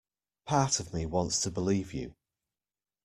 Part of me wants to believe you.